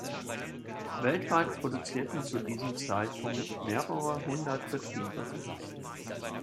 Weltweit produzierten zu diesem Zeitpunkt mehrere Hundert Betriebe.